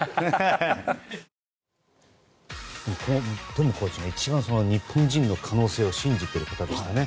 トムコーチは一番日本人の可能性を信じている方でしたね。